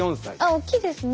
大きいですね。